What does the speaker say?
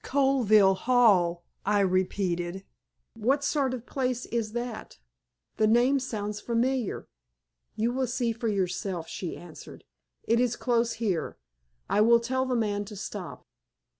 "Colville Hall?" I repeated. "What sort of place is that? The name sounds familiar." "You will see for yourself," she answered. "It is close here. I will tell the man to stop."